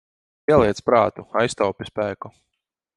Pieliec prātu, aiztaupi spēku.